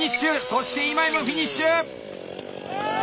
そして今井もフィニッシュ！